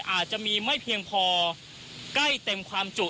อาจจะมีไม่เพียงพอใกล้เต็มความจุ